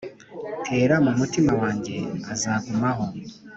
'tera mu mutima wanjye azagumaho!